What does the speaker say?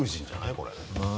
これ。